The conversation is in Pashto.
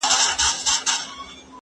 يا موړ مړی، يا غوړ غړی.